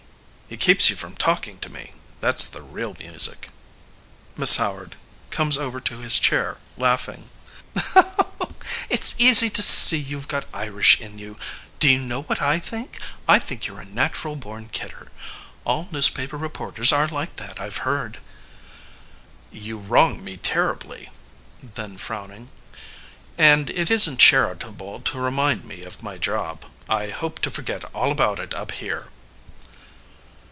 } It keeps you from talking to me. That s the real music. MISS HOWARD (comes over to his chair laughing). It s easy to see you ve got Irish in you. Do you know what I think ? I think you re a natural born kidder. All newspaper reporters are like that, I ve heard. MURRAY. You wrong me terribly. (Then frown ing.} And it isn t charitable to remind me of my job. I hoped to forget all about it up here.